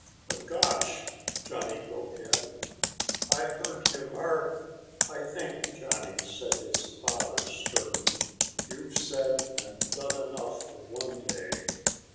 "But, gosh," Johnny broke in, "I heard him arg...." "I think, Johnny," said his father sternly, "you've said and done enough for one day.